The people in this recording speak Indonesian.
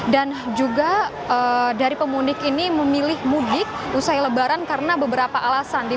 dan juga dari pemudik ini memilih mudik usai lebaran karena beberapa alasan